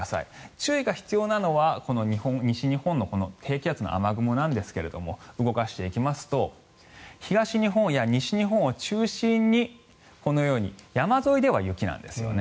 注意が必要なのは西日本のこの低気圧の雨雲なんですが動かしていきますと東日本や西日本を中心にこのように山沿いでは雪なんですよね。